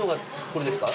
これですか？